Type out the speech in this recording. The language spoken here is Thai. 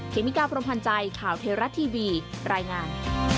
เมกาพรมพันธ์ใจข่าวเทราะทีวีรายงาน